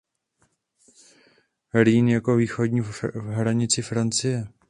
Rýn jako východní hranici Francie.